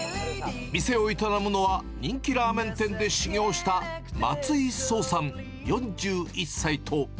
店を営むのは、人気ラーメン店で修業した松井創さん４１歳と。